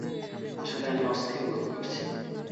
আসলে আমি অস্থির বোধ করছি।